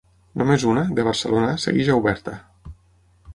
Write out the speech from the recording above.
Només una, de Barcelona, segueix oberta.